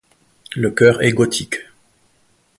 Le chœur est gothique.